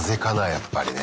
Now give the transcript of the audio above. やっぱりね。